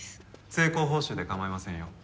成功報酬で構いませんよ。